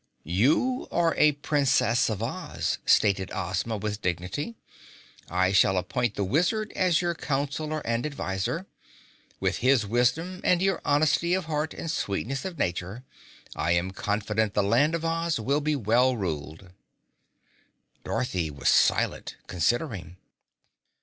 "You are a Princess of Oz," stated Ozma with dignity. "I shall appoint the Wizard as your Counselor and Advisor. With his wisdom and your honesty of heart and sweetness of nature, I am confident the Land of Oz will be well ruled." Dorothy was silent, considering.